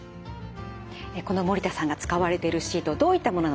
この守田さんが使われてるシートどういったものなのか